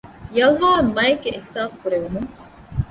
ޔަލްހާއަށް މައެއްގެ އިހްސާސް ކުރެވުމުން